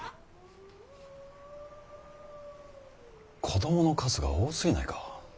子供の数が多すぎないか。